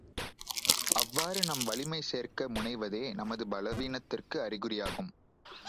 அவ்வாறு நாம் வலிமை சேர்க்க முனைவதே நமது பலவீனத்துக்கு அறிகுறியாகும்.